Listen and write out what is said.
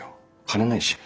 金ないし。